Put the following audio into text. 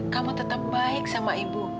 kamu tetap baik sama ibu